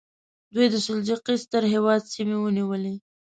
دوی د سلجوقي ستر هېواد سیمې ونیولې.